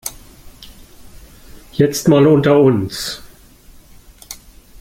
Jetzt mal unter uns.